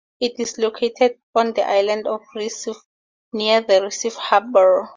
It is located on the Island of Recife, near the Recife harbor.